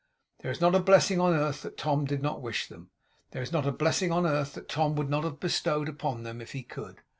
There is not a blessing on earth that Tom did not wish them. There is not a blessing on earth that Tom would not have bestowed upon them, if he could.